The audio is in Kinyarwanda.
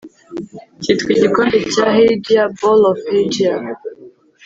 cyitwa igikombe cya “Hygeia” (bowl of Hygeia)